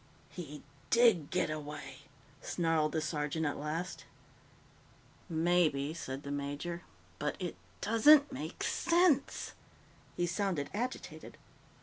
"He did get away!" snarled the sergeant at last. "Maybe," said the major. "But it doesn't make sense." He sounded agitated.